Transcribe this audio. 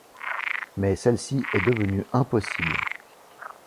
Mais celle-ci est devenue impossible.